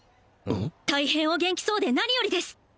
大変お元気そうで何よりです